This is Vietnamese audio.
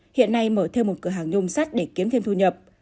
hiện nay mở thêm một cửa hàng nhôm sắt để kiếm thêm thu nhập